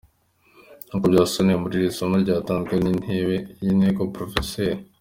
Nkuko byasobanuwe muri iri somo ryatanzwe n’Intebe y’Inteko Prof.